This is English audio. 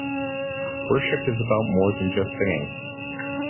Worship is about more than just singing.